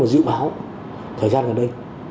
mà dự báo thời gian gần đây